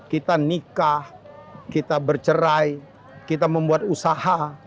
kita nikah kita bercerai kita membuat usaha